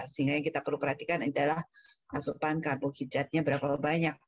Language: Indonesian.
sehingga kita perlu perhatikan adalah asupan karbohidratnya berapa banyak